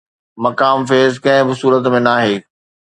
مقام فيض ڪنهن به صورت ۾ ناهي